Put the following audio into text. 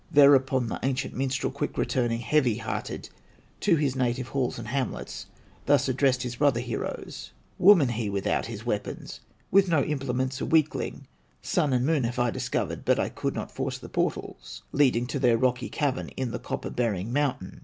Thereupon the ancient minstrel Quick returning, heavy hearted, To his native halls and hamlets, Thus addressed his brother heroes: "Woman, he without his weapons, With no implements, a weakling! Sun and Moon have I discovered, But I could not force the portals Leading to their rocky cavern In the copper bearing mountain."